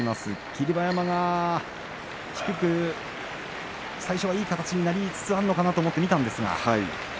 霧馬山が低く最初はいい形になりつつあるのかなと見たんですが。